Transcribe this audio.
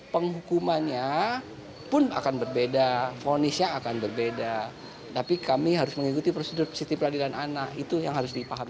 penghukumannya pun akan berbeda fonisnya akan berbeda tapi kami harus mengikuti prosedur sistem peradilan anak itu yang harus dipahami